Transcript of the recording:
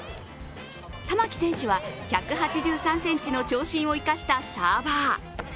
玉置選手は１８３ｃｍの長身を生かしたサーバー。